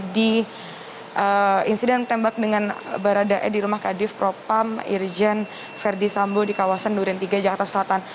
di insiden tembak dengan baradae di rumah kadif propam irjen verdi sambo di kawasan duren tiga jakarta selatan